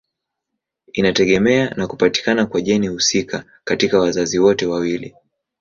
Inategemea na kupatikana kwa jeni husika katika wazazi wote wawili.